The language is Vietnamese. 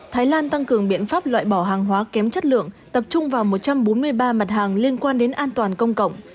thái lan tăng cường biện pháp loại bỏ hàng hóa kém chất lượng tập trung vào một trăm bốn mươi ba mặt hàng liên quan đến an toàn công cộng